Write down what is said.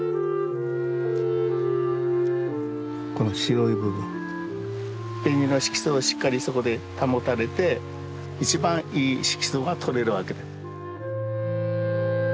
この白い部分紅の色素をしっかりそこで保たれて一番いい色素がとれるわけで。